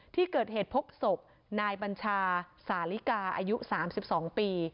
ที่เกิดเหตุพกศพนายบัญชาสาลิกาอายุสามสิบสองปี